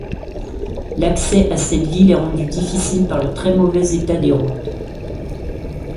L'accès à cette ville est rendu difficile par le très mauvais état des routes.